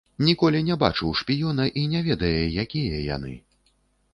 Ніколі не бачыў шпіёна і не ведае, якія яны.